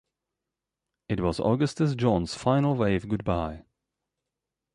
It was Augustus John's final wave goodbye.